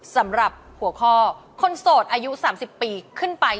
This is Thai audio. สำหรับหัวข้อคนโสดอายุ๓๐ปีขึ้นไป